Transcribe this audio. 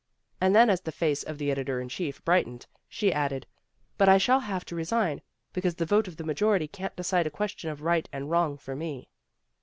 And then as the face of the editor in chief brightened, she added, "But I shall have to resign, because the vote of the majority can't decide a question of right and wrong for me."